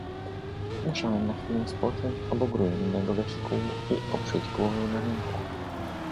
"Musiałem na chwilę spocząć obok ruin mego wehikułu i oprzeć głowę na rękach."